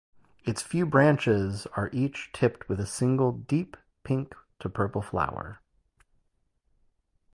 Its few branches are each tipped with a single deep pink to purple flower.